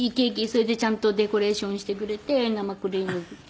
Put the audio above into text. それでちゃんとデコレーションしてくれて生クリーム。